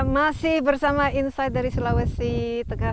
masih bersama insight dari sulawesi tengah